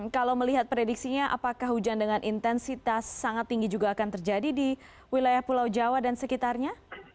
kalau melihat prediksinya apakah hujan dengan intensitas sangat tinggi juga akan terjadi di wilayah pulau jawa dan sekitarnya